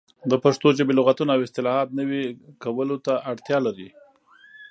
د پښتو ژبې لغتونه او اصطلاحات نوي کولو ته اړتیا لري.